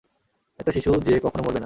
একটা শিশু যে কখনো মরবেনা।